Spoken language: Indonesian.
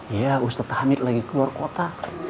iya ustadz hamid lagi keluar kota